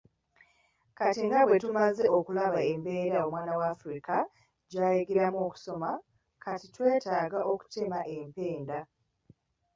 Kati nga bwe tumaze okulaba embeera omwana w’Afirika gy’ayigiramu okusoma kati twetaaga okutema empenda.